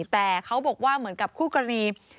แต่เขาบอกว่าเหมือนกับคู่กรณี